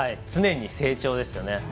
常に成長ですよね。